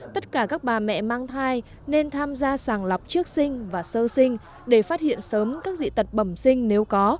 tất cả các bà mẹ mang thai nên tham gia sàng lọc trước sinh và sơ sinh để phát hiện sớm các dị tật bẩm sinh nếu có